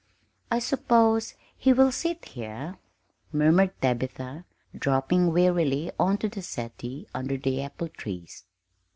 "I suppose he will sit here," murmured Tabitha, dropping wearily on to the settee under the apple trees.